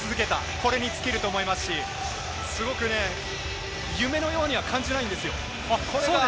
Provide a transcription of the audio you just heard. これに尽きると思いますし、すごく夢のようには感じないんですよ。